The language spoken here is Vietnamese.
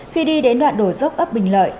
khi đi đến đoạn đổ dốc ấp bình lợi